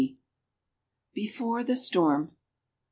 BEFORE THE STORM.